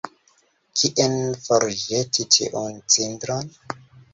Kien forĵeti tiun cindron?